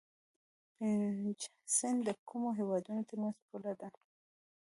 پنج سیند د کومو هیوادونو ترمنځ پوله ده؟